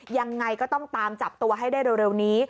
ยังไงก็ต้องตามจับตัวให้ได้เร็วนี้